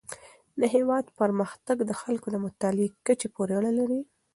د هیواد پرمختګ د خلکو د مطالعې کچې پورې اړه لري.